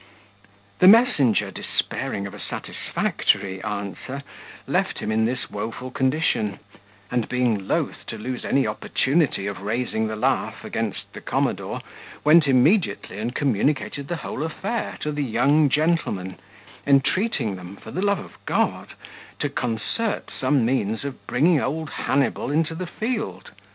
The messenger, despairing of a satisfactory answer, left him in this woeful condition; and being loath to lose any opportunity of raising the laugh against the commodore, went immediately and communicated the whole affair to the young gentlemen, entreating them, for the love of God, to concert some means of bringing old Hannibal into the field.